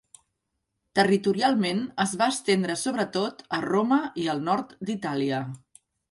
Territorialment es va estendre sobretot a Roma i al nord d'Itàlia.